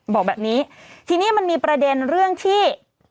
บอกแบบนี้ทีนี้มันมีประเด็นเรื่องที่